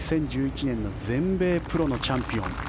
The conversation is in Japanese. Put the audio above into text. ２０１１年の全米プロのチャンピオン。